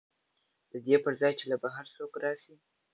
د دې پر ځای چې له بهر څوک راشي